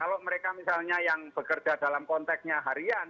kalau mereka misalnya yang bekerja dalam konteksnya harian